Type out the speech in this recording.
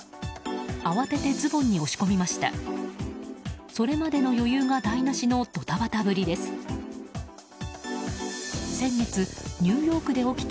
慌ててズボンに押し込みました。